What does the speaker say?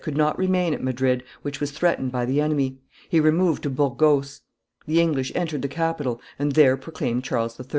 could not remain at Madrid, which was threatened by the enemy: he removed to Burgos; the English entered the capital, and there proclaimed Charles III.